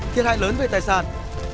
thiệt hại lớn về tài sản